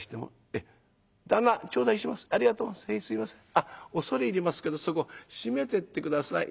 「あっ恐れ入りますけどそこ閉めてって下さい。